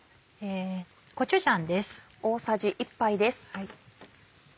コチュジャンです。